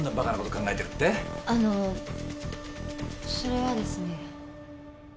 あのそれはですね。